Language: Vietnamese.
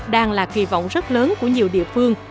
đang là kỳ vọng rất lớn của nhiều địa phương